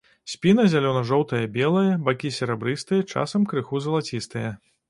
Спіна зялёна-жоўта-белая, бакі серабрыстыя, часам крыху залацістыя.